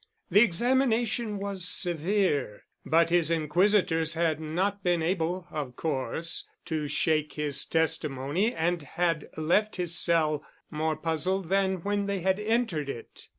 The examination was severe, but his inquisitors had not been able, of course, to shake his testimony and had left his cell more puzzled than when they had entered it.